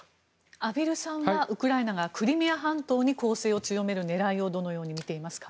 畔蒜さんはウクライナがクリミア半島に攻勢を強める狙いをどう見ていますか。